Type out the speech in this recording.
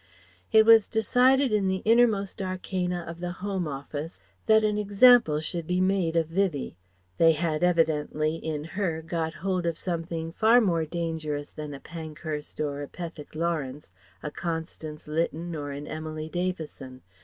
It was decided in the innermost arcana of the Home Office that an example should be made of Vivie. They had evidently in her got hold of something far more dangerous than a Pankhurst or a Pethick Lawrence, a Constance Lytton or an Emily Davison.